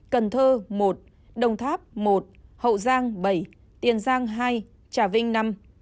cần thơ một đồng tháp một hậu giang bảy tiền giang hai trà vinh năm